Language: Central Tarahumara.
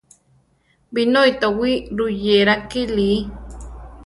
Binói towí ruyéra kili.